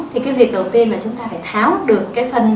thì cái việc đầu tiên là chúng ta phải tháo được cái phân